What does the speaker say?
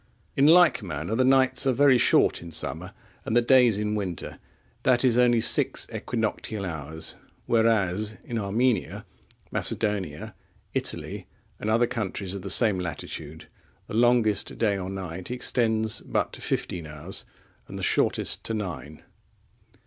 In like manner the nights are very short in summer, and the days in winter, that is, only six equinoctial hours. Whereas, in Armenia, Macedonia, Italy, and other countries of the same latitude, the longest day or night extends but to fifteen hours, and the shortest to nine.